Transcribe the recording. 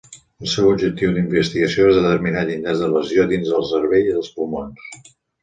El seu objectiu d'investigació és determinar llindars de lesió dins del cervell i dels pulmons.